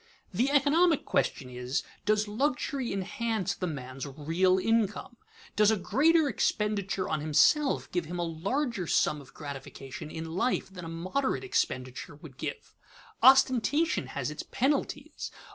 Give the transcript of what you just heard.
_ The economic question is, Does luxury enhance the man's real income? Does a greater expenditure on himself give him a larger sum of gratification in life than a moderate expenditure would give? Ostentation has its penalties.